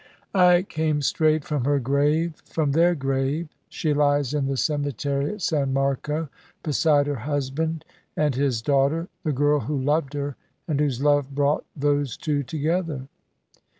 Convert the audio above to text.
"I came straight from her grave, from their grave. She lies in the cemetery at San Marco, beside her husband and his daughter, the girl who loved her, and whose love brought those two together."